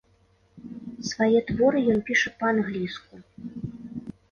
Свае творы ён піша па-англійску.